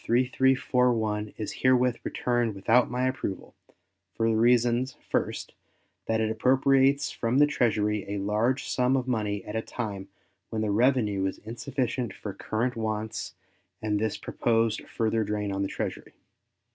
3341 is herewith returned without my approval, for the reasons, first, that it appropriates from the Treasury a large sum of money at a time when the revenue is insufficient for current wants and this proposed further drain on the Treasury.